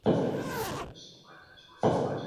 آيا دغه ځان وژنه سياسي وه؟